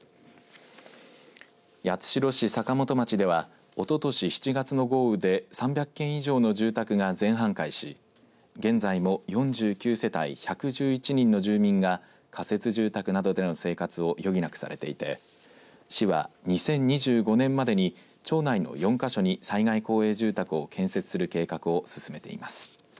八代市坂本町ではおととし７月の豪雨で３００軒以上の住宅が全半壊し現在も４９世帯１１１人の住民が仮設住宅などでの生活を余儀なくされていて市は２０２５年までに町内の４か所に災害公営住宅を建設する計画を進めています。